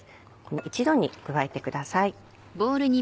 一度に加えてください。